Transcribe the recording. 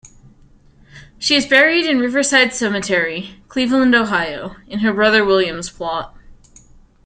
She is buried in Riverside Cemetery, Cleveland, Ohio in her brother William's plot.